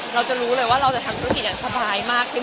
เราจะรู้เลยว่าเราจะทำธุรกิจสบายมาก